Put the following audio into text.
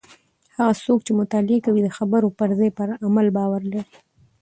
هغه څوک چې مطالعه کوي د خبرو پر ځای په عمل باور لري.